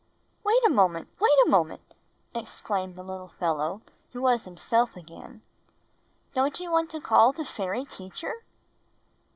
"Wait a moment! Wait a moment!" exclaimed the little fellow who was himself again. ''Don't you want to call the fairy teacher?"